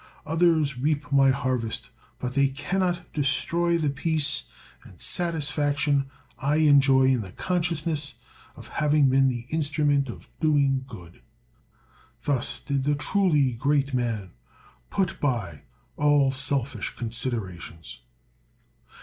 Others reap my harvest; but they cannot destroy the peace and satisfaction I enjoy in the consciousness of having been the instrument of doing good." Thus did the truly great man put by all selfish considerations.